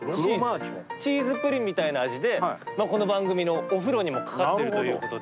チーズプリンみたいな味でこの番組の「お風呂」にもかかってるということで。